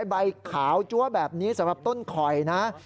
ใบขาวจั๊วแบบนี้สำหรับต้นคอยนะ